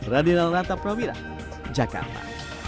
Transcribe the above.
radinal rata pramira jakarta